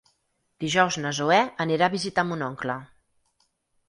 Dijous na Zoè anirà a visitar mon oncle.